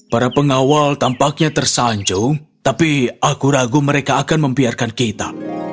para pengawal tampaknya tersanjung tapi aku ragu mereka akan membiarkan kita